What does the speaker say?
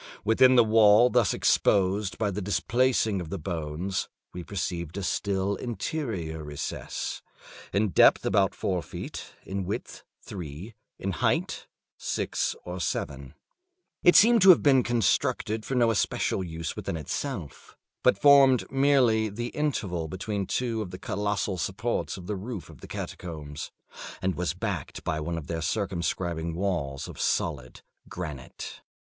Within the wall thus exposed by the displacing of the bones, we perceived a still interior recess, in depth about four feet, in width three, in height six or seven. It seemed to have been constructed for no especial use in itself, but formed merely the interval between two of the colossal supports of the roof of the catacombs, and was backed by one of their circumscribing walls of solid granite.